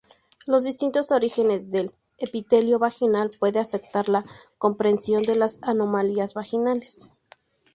Los distintos orígenes del epitelio vaginal pueden afectar la comprensión de las anomalías vaginales.